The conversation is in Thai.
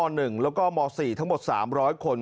แล้วก็ม๔ทั้งหมด๓๐๐คน